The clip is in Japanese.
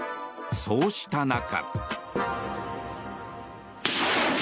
そうした中。